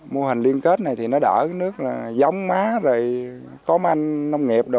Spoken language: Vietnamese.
mô hình liên kết này thì nó đỡ cái nước là giống má rồi có manh nông nghiệp đồ